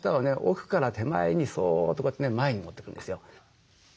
奥から手前にそっとこうやってね前に持ってくるんですよ。